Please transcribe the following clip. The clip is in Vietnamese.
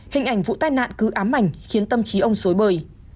hình ảnh vụ tai nạn cứ ám ảnh khiến tâm trí ông xối bời